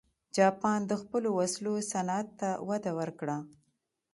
جاپان د خپلو وسلو صنعت ته وده ورکړه.